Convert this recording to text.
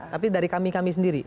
tapi dari kami kami sendiri